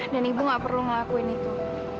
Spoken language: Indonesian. dan ibu gak perlu ngelakuin itu